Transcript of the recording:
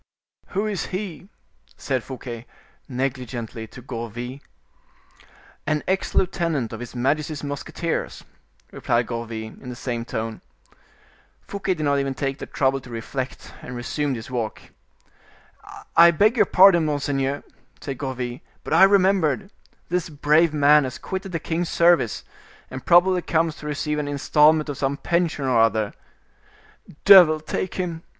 "Who is he?" said Fouquet, negligently, to Gourville. "An ex lieutenant of his majesty's musketeers," replied Gourville, in the same tone. Fouquet did not even take the trouble to reflect, and resumed his walk. "I beg your pardon, monseigneur!" said Gourville, "but I have remembered; this brave man has quitted the king's service, and probably comes to receive an installment of some pension or other." "Devil take him!"